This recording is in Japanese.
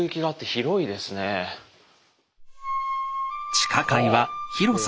地下階は広さ